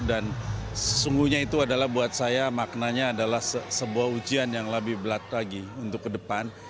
dan sesungguhnya itu adalah buat saya maknanya adalah sebuah ujian yang lebih belat lagi untuk ke depan